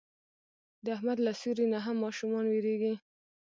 د احمد له سیوري نه هم ماشومان وېرېږي.